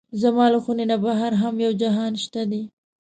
زما له خونې نه بهر هم یو جهان شته دی.